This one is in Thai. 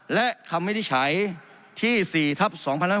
และคำวินิจฉัยที่๔ทับ๒๕๖๒